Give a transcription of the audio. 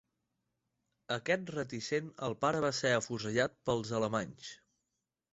Aquest reticent al pare va ser afusellat pels alemanys.